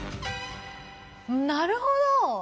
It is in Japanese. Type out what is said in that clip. なるほど！